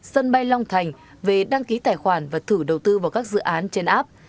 sân bay long thành về đăng ký tài khoản và thử đầu tư vào các dự án trên app